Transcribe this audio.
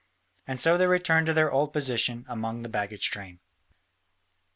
And so they returned to their old position among the baggage train.